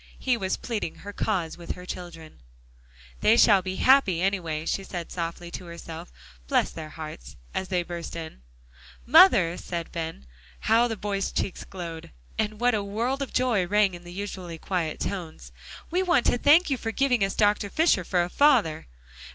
He was pleading her cause with her children. "They shall be happy, anyway," she said softly to herself, "bless their hearts!" as they burst in. "Mother," said Ben How the boy's cheek glowed! And what a world of joy rang in the usually quiet tones! "we want to thank you for giving us Dr. Fisher for a father."